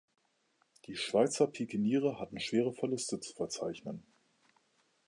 Die Schweizer Pikeniere hatten schwere Verluste zu verzeichnen.